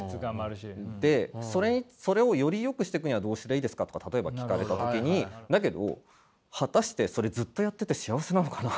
でそれをよりよくしていくにはどうしたらいいですか？とかたとえば聞かれた時にだけど果たしてそれずっとやってて幸せなのかな？